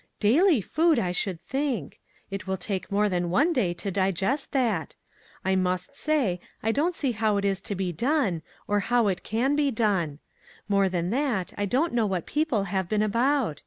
14 Daily food, I should think ! It will take more than one day to digest that ! I must say, I don't see how it is to be done, or how it can be done. More than that, I don't know what people have been about.